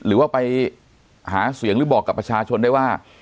หรือว่าไปหาเสียงหรือบอกกับประชาชนได้ว่า